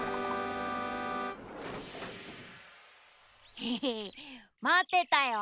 エヘヘまってたよ。